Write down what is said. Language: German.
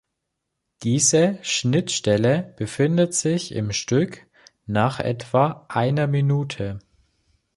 Diese Schnittstelle befindet sich im Stück nach etwa einer Minute.